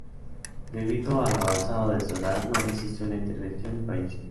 Debido a lo avanzado de su edad, no resistió la intervención y falleció.